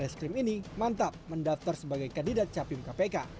baris krim ini mantap mendaftar sebagai kandidat capim kpk